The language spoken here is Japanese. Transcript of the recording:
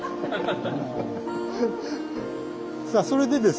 さあそれでですね